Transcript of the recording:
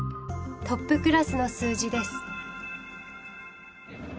トップクラスの数字です。